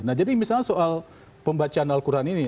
nah jadi misalnya soal pembacaan al quran ini